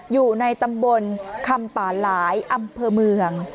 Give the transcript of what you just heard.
อยู่ในตำบลคำป่าหลายอำเภอเมือง